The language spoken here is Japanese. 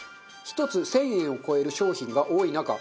１つ１０００円を超える商品が多い中